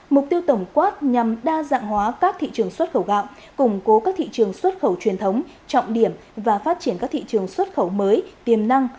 mục tiêu tổng quát nhằm đa dạng hóa các thị trường xuất khẩu gạo củng cố các thị trường xuất khẩu truyền thống trọng điểm và phát triển các thị trường xuất khẩu mới tiềm năng